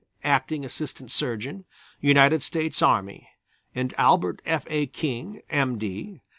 Acting Assistant Surgeon, United States Army, and Albert F. A. King, M. D.